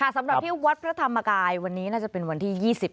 สำหรับที่วัดพระธรรมกายวันนี้น่าจะเป็นวันที่๒๐